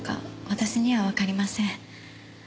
私にはわかりません。